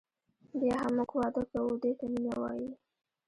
بیا هم موږ واده کوو دې ته مینه وایي.